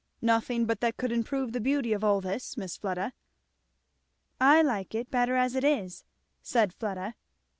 "Nothing but that could improve the beauty of all this, Miss Fleda." "I like it better as it is," said Fleda.